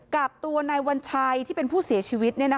กับตัวนายวัญชัยที่เป็นผู้เสียชีวิต